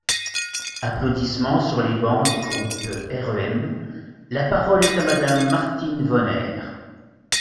(Applaudissements sur les bancs du groupe REM.) La parole est à Madame Martine Wonner.